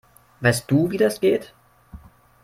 Weißt du, wie das geht?